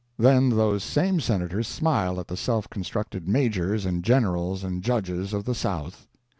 Then those same Senators smile at the self constructed majors and generals and judges of the South!